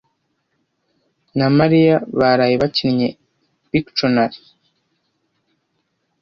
na Mariya baraye bakinnye Pictionary.